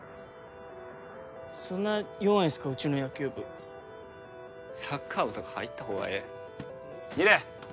そんな弱いんすかうちの野球部サッカー部とか入った方がええ楡